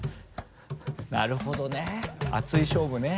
なるほどね熱い勝負ね。